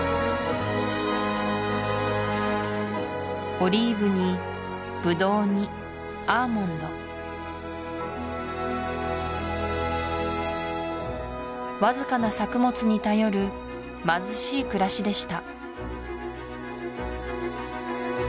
オリーブにブドウにアーモンドわずかな作物に頼る貧しい暮らしでした